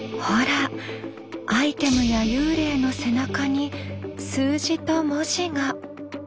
ほらアイテムや幽霊の背中に数字と文字が。